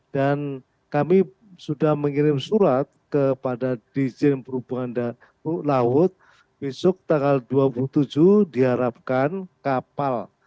dan kami sudah mengirim surat kepada dijen perhubungan laut besok tanggal dua puluh tujuh diharapkan kapal